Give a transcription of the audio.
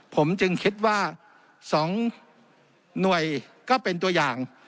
ผมจึงคิดว่า๒หน่วยก็เป็นตัวอย่าง